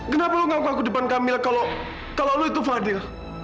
kenapa lu gak aku depan kamilah kalau lu itu fadil